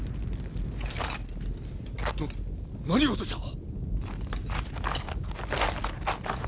な何事じゃ！